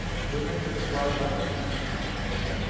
women football world